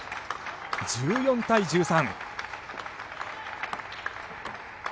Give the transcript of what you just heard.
１４対１３。